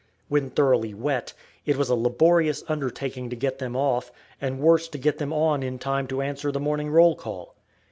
When thoroughly wet, it was a laborious undertaking to get them off, and worse to get them on in time to answer the morning roll call.